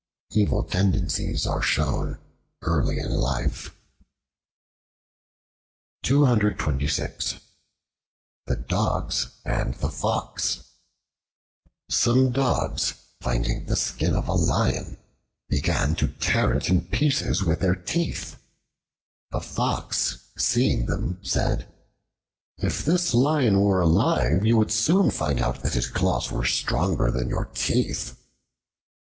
Evil tendencies are shown in early life. The Dogs and the Fox SOME DOGS, finding the skin of a lion, began to tear it in pieces with their teeth. A Fox, seeing them, said, "If this lion were alive, you would soon find out that his claws were stronger than your teeth."